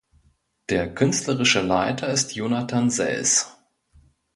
Der künstlerische Leiter ist Jonathan Sells.